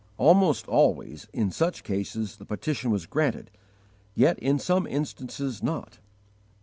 Almost always in such cases the petition was granted, yet in some instances not.